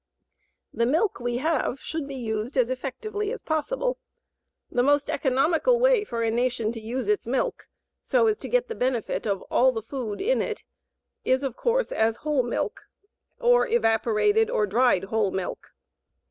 The milk we have should be used as effectively as possible. The most economical way for a nation to use its milk so as to get the benefit of all the food in it, is, of course, as whole milk, or evaporated or dried whole milk.